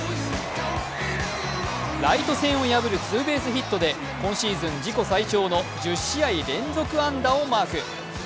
ライト線を破るツーベースヒットで今シーズン自己最長の１０試合連続安打をマーク。